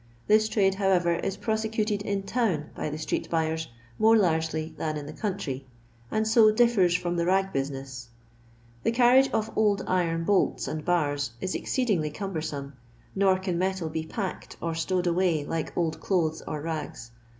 This trade, however, is prosecuted in town by the street buyers more largely than in the country, and so differs from the rag business. The carriage of old iron bolts and bars is exceedingly cumbersome ; nor can metal be packed or stowed away like old clothes or rags.